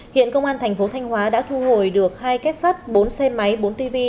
hiện công an thành phố thanh hóa đã thu hồi được hai kết sắt bốn xe máy bốn tv